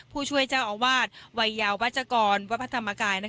ผู้ช่วยเจ้าอาวาสวัยยาวัชกรวัดพระธรรมกาย